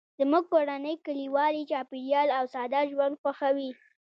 زموږ کورنۍ کلیوالي چاپیریال او ساده ژوند خوښوي